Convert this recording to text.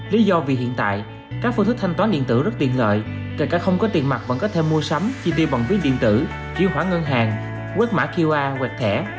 lý do vì hiện tại các phương thức thanh toán điện tử rất tiện lợi kể cả không có tiền mặt vẫn có thể mua sắm chi tiêu bằng viết điện tử chiếu hóa ngân hàng quét mã qr hoặc thẻ